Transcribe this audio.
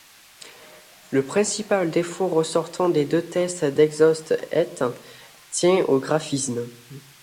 Le principal défaut ressortant des deux tests d'Exhaust Heat tient aux graphismes.